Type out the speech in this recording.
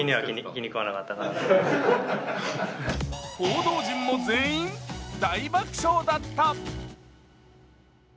報道陣も全員大爆笑だった。